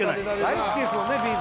大好きですもんね